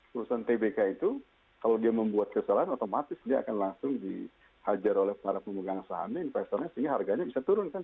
perusahaan tbk itu kalau dia membuat kesalahan otomatis dia akan langsung dihajar oleh para pemegang sahamnya investornya sehingga harganya bisa turun kan